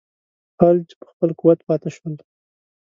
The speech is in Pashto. خلج په خپل قوت پاته شول.